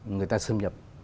người ta xâm nhập